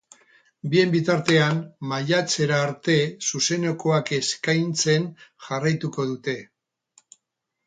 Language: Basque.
Bien bitartean, maiatzera arte zuzenekoak eskaintzen jarraituko dute.